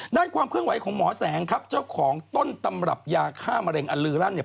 ด้านความเคลื่อนไหวของหมอแสงครับเจ้าของต้นตำรับยาฆ่ามะเร็งอันลือลั่นเนี่ย